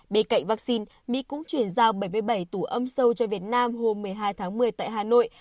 bên cạnh vaccine mỹ cũng chuyển giao bảy mươi bảy tủ âm sâu cho việt nam hôm một mươi hai tháng một mươi tại hà nội